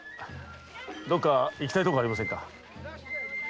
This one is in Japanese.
どこか行きたいところはありませんか？